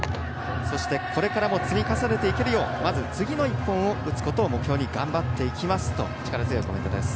これからも積み重ねていけるようまずは次の１本を打つことを目標に頑張っていきますと力強いコメントです。